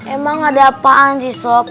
emang ada apaan sih sob